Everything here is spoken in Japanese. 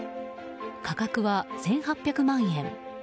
価格は１８００万円。